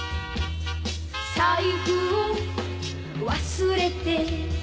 「財布を忘れて」